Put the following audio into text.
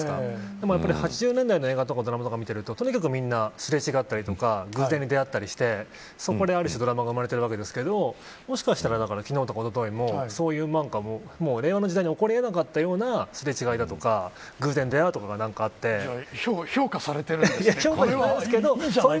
でも８０年代の映画やドラマを見ているととにかく、みんなすれ違ったり偶然出会ったりしてそこで、ある種ドラマが生まれてるわけですけどもしかしたら昨日や、おとといも令和の時代に起こり得なかったすれ違いとか偶然出会うとか何かがあって評価されてるんですね。